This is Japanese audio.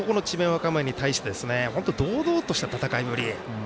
和歌山に対して堂々とした戦いぶり。